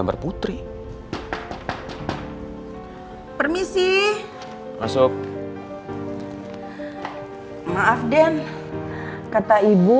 dra trouver apa ya plate fu sahib